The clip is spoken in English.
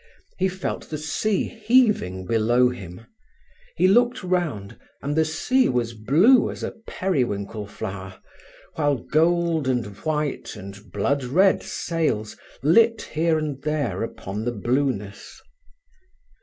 He felt the sea heaving below him. He looked round, and the sea was blue as a periwinkle flower, while gold and white and blood red sails lit here and there upon the blueness.